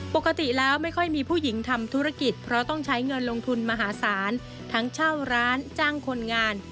ปกติแล้วไม่ค่อยมีผู้หญิงทำธุรกิจเพราะต้องใช้เงินลงทุนมหาศาลทั้งเช่าร้านจ้างคนงาน